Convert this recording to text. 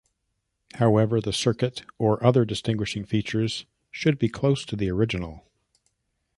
However, the circuit or other distinguishing features should be close to the original.